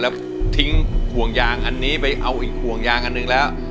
แล้วทิ้งห่วงยางอันนี้ไปเอาอีกห่วงยางอันหนึ่งแล้ว